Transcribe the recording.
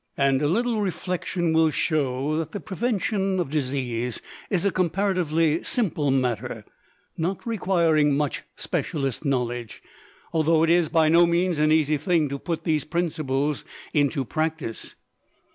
And a little reflection will show that the prevention of disease is a comparatively simple matter, not requiring much specialist knowledge, although it is by no means an easy thing to put these principles into practice.